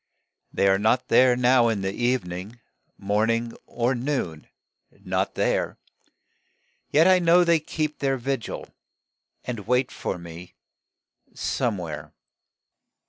They are not there now in the evening Morning or noon not there; Yet I know that they keep their vigil, And wait for me Somewhere.